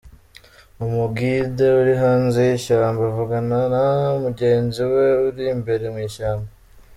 Umu-guide uri hanze y'ishyamba avugana na mugenzi we uri imbere mu ishyamba.